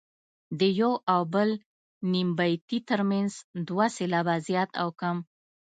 د یو او بل نیم بیتي ترمنځ دوه سېلابه زیات او کم.